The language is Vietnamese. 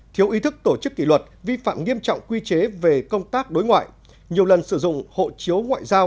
thiếu ý thức tổ chức kỷ luật vi phạm nghiêm trọng quy chế về công tác đối ngoại nhiều lần sử dụng hộ chiếu ngoại giao